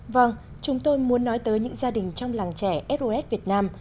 vâng chúng tôi muốn nói tới những gia đình trong làng trẻ sos việt nam